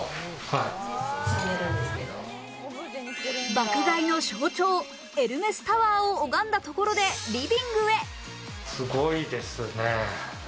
爆買いの象徴・エルメスタワーを拝んだところでリビングへ。